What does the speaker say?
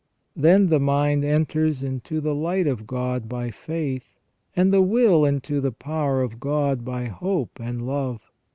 Then the mind enters into the light of God by faith, and the will into the power of God by hope and love.